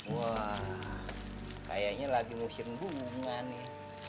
wah kayaknya lagi mau kirim bunga nih